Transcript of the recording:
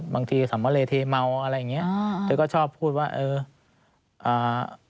บางทีสำมารถเลยเทเมาอะไรอย่างเงี้ยเธอก็ชอบพูดว่าเอออ่า